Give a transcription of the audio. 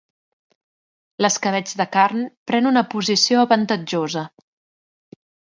L'escabetx de carn pren una posició avantatjosa